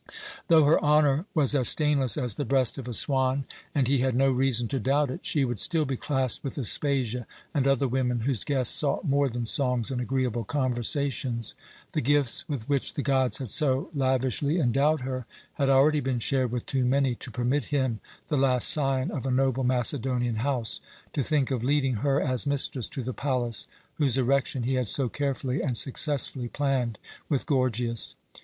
Though her honor was as stainless as the breast of a swan and he had no reason to doubt it she would still be classed with Aspasia and other women whose guests sought more than songs and agreeable conversations. The gifts with which the gods had so lavishly endowed her had already been shared with too many to permit him, the last scion of a noble Macedonian house, to think of leading her, as mistress, to the palace whose erection he had so carefully and successfully planned with Gorgias.